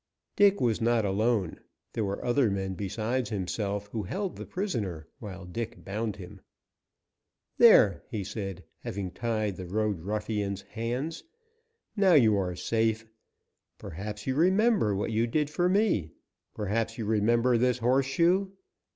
Dick was not alone; there were other men besides himself, who held the prisoner while Dick bound him. "There," he said, having tied the road ruffian's hands, "now you are safe. Perhaps you remember what you did for me. Perhaps you remember this horseshoe.